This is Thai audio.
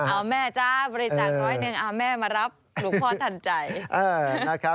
เอาแม่จ๊ะบริจาคร้อยหนึ่งเอาแม่มารับหลวงพ่อทันใจนะครับ